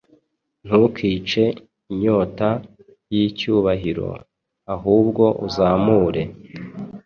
Ntukice inyota yicyubahiro, ahubwo uzamure